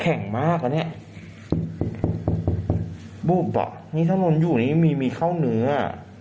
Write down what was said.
แข็งมากอ่ะเนี่ยบุบอ่ะนี่ถ้าลงอยู่นี่มีมีข้าวเนื้อ